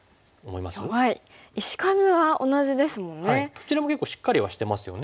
どちらも結構しっかりはしてますよね。